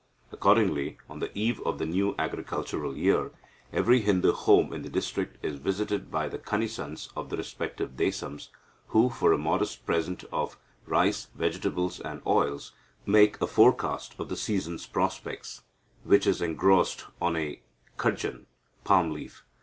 Accordingly, on the eve of the new agricultural year, every Hindu home in the district is visited by the Kanisans of the respective desams, who, for a modest present of rice, vegetables, and oils, make a forecast of the season's prospects, which is engrossed on a cadjan (palm leaf).